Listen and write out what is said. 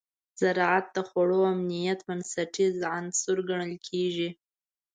زراعت د خوړو امنیت بنسټیز عنصر ګڼل کېږي.